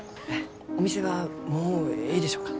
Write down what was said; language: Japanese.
お店はもうえいでしょうか？